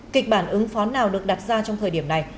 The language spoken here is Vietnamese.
kịch bản ứng phó nào được đặt ra trong thời điểm này